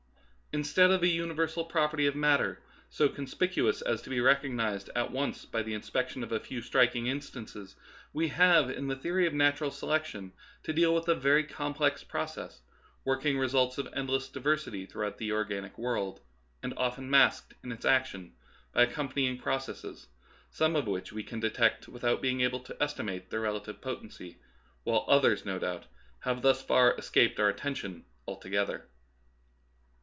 Instead of a universal property of matter, so conspicuous as to be recognized at once by the inspection of a few striking instances, we have in the theory of natural selection to deal with a very complex process, working results of endless diversity throughout the organic world, and often masked in its action by accompanying processes, some of which we can detect without being able to estimate their relative potency, while others, no doubt, have thus far escaped our attention altogether.